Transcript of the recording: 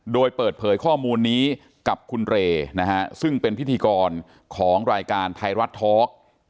โดยเปิดเผยข้อมูลนี้กับคุณเรนะฮะซึ่งเป็นพิธีกรของรายการไทยรัฐทอล์ก